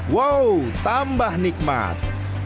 wow tambah nikmat